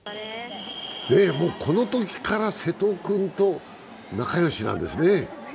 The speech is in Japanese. もうこのときから瀬戸君と仲よしなんですね。